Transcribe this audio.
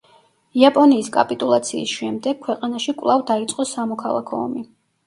იაპონიის კაპიტულაციის შემდეგ ქვეყანაში კვლავ დაიწყო სამოქალაქო ომი.